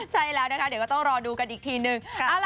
ใช่แล้วนะคะเดี๋ยวก็ต้องรอดูกันอีกทีนึง